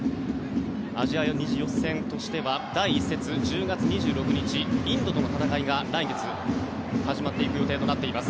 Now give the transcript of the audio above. アジア２次予選としては第１節１０月２６日、インドとの戦いが来月始まっていく予定となっています。